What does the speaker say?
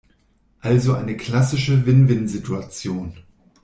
Also eine klassische Win-win-Situation.